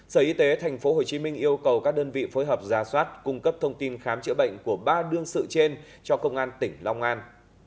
sở y tế tp hcm yêu cầu các đơn vị phối hợp ra soát cung cấp thông tin khám chữa bệnh của ba đương sự trên cho công an tỉnh long an